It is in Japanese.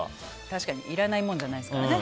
確かにいらないものじゃないですから。